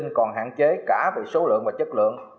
nhưng còn hạn chế cả về số lượng và chất lượng